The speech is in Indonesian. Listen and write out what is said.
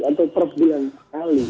atau per tiga kali